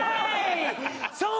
そう！